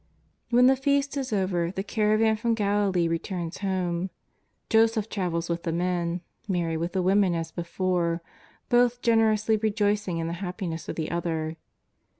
When the Feast is over, the caravan from Galilee re turns home. Joseph travels with the men, Mary with the women as before, both generously rejoicing in the happiness of the other.